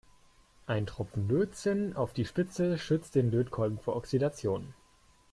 Ein Tropfen Lötzinn auf die Spitze schützt den Lötkolben vor Oxidation.